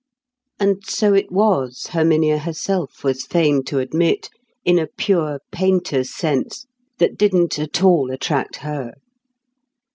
And so it was, Herminia herself was fain to admit, in a pure painter's sense that didn't at all attract her.